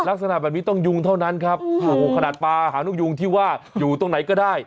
ลักษณะแบบนี้ต้องยุงเท่านั้นครับโอ้โหขนาดปลาหางกยุงที่ว่าอยู่ตรงไหนก็ได้